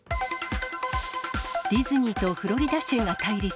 ディズニーとフロリダ州が対立。